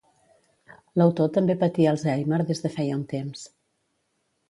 L'autor també patia alzheimer des de feia un temps.